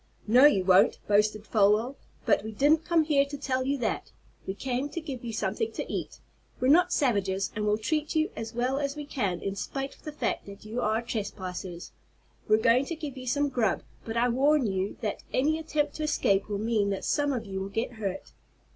"No, you won't!" boasted Folwell. "But we didn't come here to tell you that. We came to give you something to eat. We're not savages and we'll treat you as well as we can in spite of the fact that you are trespassers. We're going to give you some grub, but I warn you that any attempt to escape will mean that some of you will get hurt."